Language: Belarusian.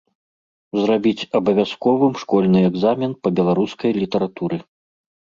Зрабіць абавязковым школьны экзамен па беларускай літаратуры.